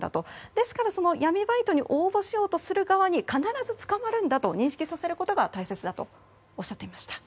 ですから闇バイトに応募しようとする側に必ず捕まるんだと認識させることが大切だとおっしゃっていました。